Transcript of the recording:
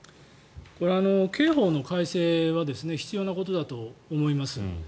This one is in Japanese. これは刑法の改正は必要なことだと思います。